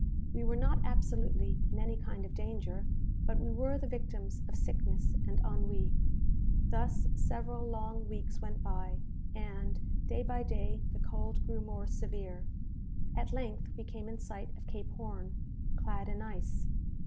We were not absolutely in any kind of danger; but we were the victims of sickness and ennui. Thus several long weeks went by, and, day by day, the cold grew more severe. At length we came in sight of Cape Horn, clad in ice.